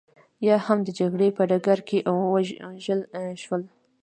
یا هم د جګړې په ډګر کې ووژل شول